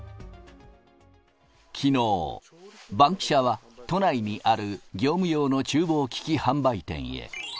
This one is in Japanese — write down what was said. きのう、バンキシャは都内にある業務用のちゅう房機器販売店へ。